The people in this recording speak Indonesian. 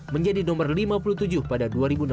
menjadi nomor lima puluh tujuh pada dua ribu enam belas